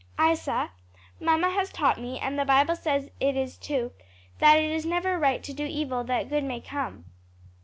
'" "Isa, mamma has taught me, and the Bible says it too, that it is never right to do evil that good may come."